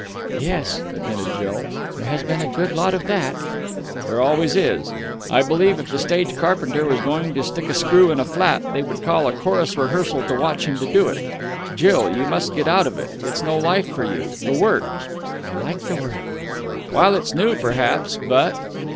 "Yes," admitted Jill. "There has been a good lot of that." "There always is. I believe if the stage carpenter was going to stick a screw in a flat, they would call a chorus rehearsal to watch him do it.... Jill, you must get out of it. It's no life for you. The work...." "I like the work." "While it's new, perhaps, but...."